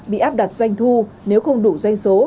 bị áp đặt doanh thu nếu không đủ doanh số